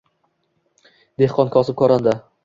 Dehqon, kosib, koranda.